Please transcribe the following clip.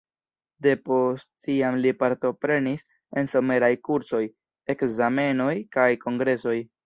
De post tiam li partoprenis en someraj kursoj, ekzamenoj kaj kongresoj.